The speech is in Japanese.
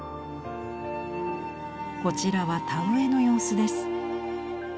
こちらは田植えの様子です。